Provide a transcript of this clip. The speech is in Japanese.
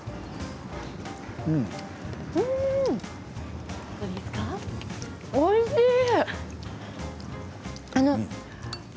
うん、おいしい！